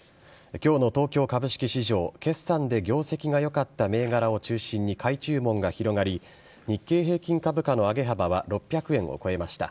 今日の東京株式市場決算で業績がよかった銘柄を中心に買い注文が広がり日経平均株価の上げ幅は６００円を超えました。